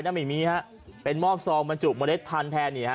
น้ำอีกมีฮะเป็นมอบซองมันจุบโมเลสพันธุ์แทนนี่ฮะ